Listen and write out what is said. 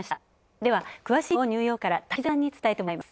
では、詳しい内容をニューヨークから滝沢さんに伝えてもらいます。